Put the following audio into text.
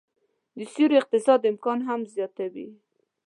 د سیوري اقتصاد امکان هم زياتوي